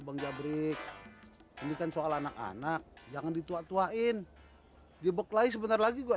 bang jabrik ini kan soal anak anak jangan dituat tuain dia beklai sebentar lagi gua